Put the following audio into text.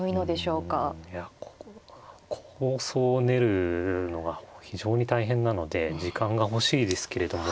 いやここは構想を練るのが非常に大変なので時間が欲しいですけれども。